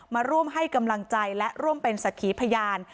มาร่วมให้กำลังใจและร่วมเป็นสักขีพยาน